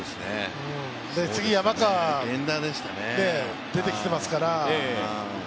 次、山川が出てきてますから。